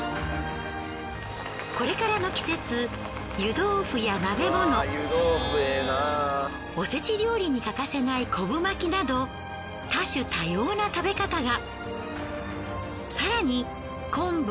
これからの季節湯豆腐や鍋物おせち料理に欠かせない昆布巻きなど多種多様な食べ方が。